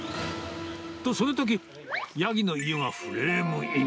と、そのとき、ヤギのイヨがフレームイン。